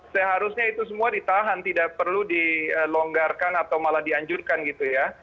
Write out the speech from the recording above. seharusnya itu semua ditahan tidak perlu dilonggarkan atau malah dianjurkan gitu ya